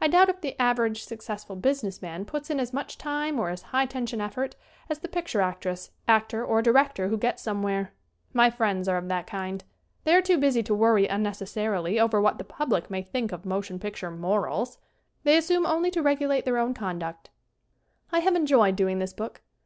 I doubt if the av erage successful business man puts in as much time or as high tension effort as the picture actress, actor or director who gets somewhere. My friends are of that kind. They are too busy to worry unnecessarily over what the pub lic may think of motion picture morals. They assume only to regulate their own conduct. I have enjoyed doing this book.